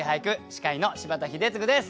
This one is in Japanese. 司会の柴田英嗣です。